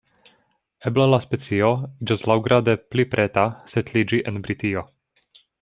Eble la specio iĝas laŭgrade pli preta setliĝi en Britio.